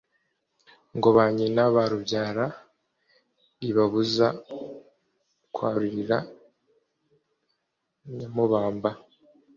ngo ba nyina barubyara; ribabuza kwarurira nyamabumba,